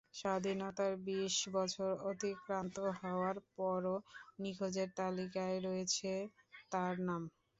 স্বাধীনতার বিশ বছর অতিক্রান্ত হওয়ার পরও নিখোঁজের তালিকায় রয়েছে তাঁর নাম।